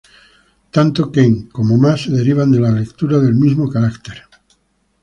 Tanto ken y ma se derivan de las lecturas del mismo carácter 間.